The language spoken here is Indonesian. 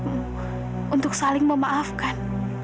untuk saling memaafkan